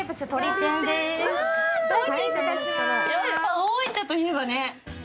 やっぱ大分といえばね。